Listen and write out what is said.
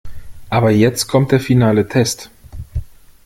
Aber jetzt kommt der finale Test.